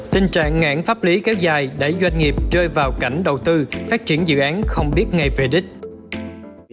tình trạng ngãn pháp lý kéo dài đẩy doanh nghiệp rơi vào cảnh đầu tư phát triển dự án không biết ngay về đích